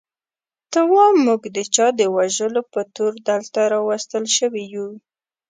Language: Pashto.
ته وا موږ د چا د وژلو په تور دلته راوستل شوي یو.